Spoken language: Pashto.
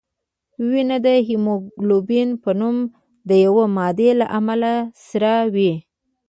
وینه د هیموګلوبین په نوم د یوې مادې له امله سره وي